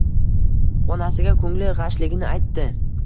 Onasiga ko‘ngli g‘ashligini aytdi